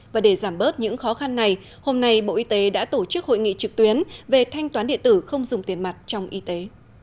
và để giảm bớt những khó khăn này hôm nay bộ y tế đã tổ chức hội nghị trực tuyến về thanh toán điện tử không dùng tiền mặt trong y tế